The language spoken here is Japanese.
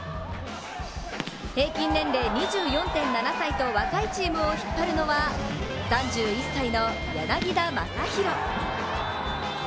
平均年齢２４．７歳と若いチームを引っ張るのは、３１歳の柳田将洋。